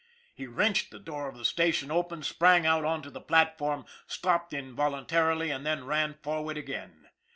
He wrenched the door of the station open, sprang out on to the platform, stopped involuntarily, and then ran for ward again.